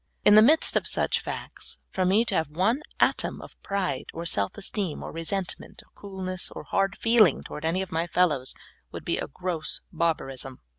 In the midst of such facts, for me to have one atom of pride, or self esteem, or resentment, or coolness, or hard feel ing toward any of my fellows, would be a gross bar barism.